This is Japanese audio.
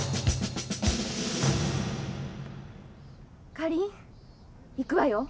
かりん行くわよ。